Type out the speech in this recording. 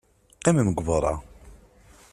Qqimem deg beṛṛa!